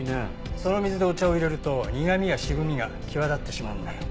その水でお茶を淹れると苦みや渋みが際立ってしまうんだよ。